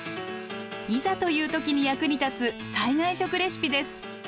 いざという時に役に立つ災害食レシピです。